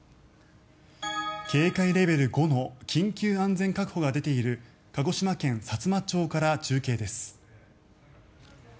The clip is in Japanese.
警戒レベル５の緊急安全確保が出ている鹿児島県さつま町から中継です。